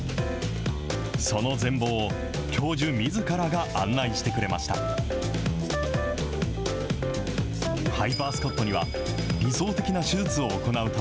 その全貌を教授みずからが案内してくれました。